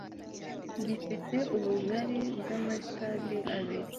gifite ubugari bw'amasitadi abiri